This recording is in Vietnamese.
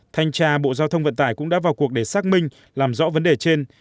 thanh tra bộ giao thông vận tải cũng đã vào cuộc để xác minh làm rõ vấn đề trên